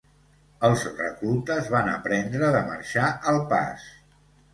Els reclutes van aprendre de marxar al pas